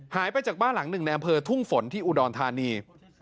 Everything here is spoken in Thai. หายไปจากบ้านหลังหนึ่งในอำเภอทุ่งฝนที่อุดรธานี